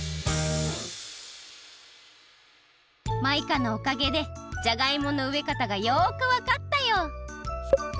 「」「」マイカのおかげでじゃがいものうえかたがよくわかったよ。